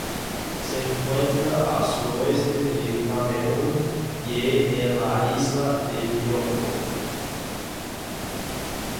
Se encuentra al suroeste de Camerún y en la isla de Bioko.